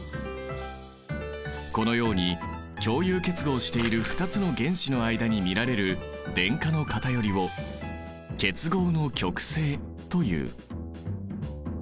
このように共有結合している２つの原子の間に見られる電荷の偏りを結合の極性という。